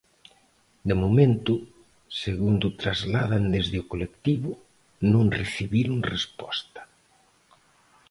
De momento, segundo trasladan desde o colectivo, non recibiron resposta.